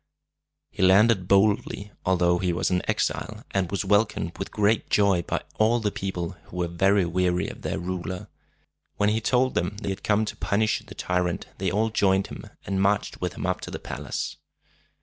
He landed boldly, although he was an exile, and was welcomed with great joy by all the people, who were very weary of their ruler. When he told them that he had come to punish the tyrant, they all joined him, and marched with him up to the palace.